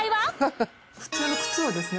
普通の靴をですね